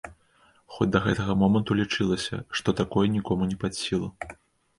Хоць да гэтага моманту лічылася, што такое нікому не пад сілу.